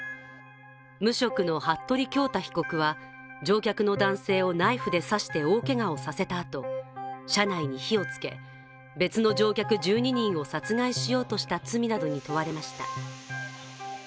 無職の服部恭太被告は、乗客の男性をナイフで刺して大けがをさせたあと車内に火をつけ、別の乗客１２人を殺害しようとした罪に問われました。